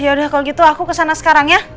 yaudah kalo gitu aku kesana sekarang ya